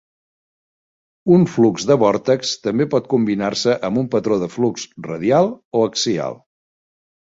Un flux de vòrtex també pot combinar-se amb un patró de flux radial o axial.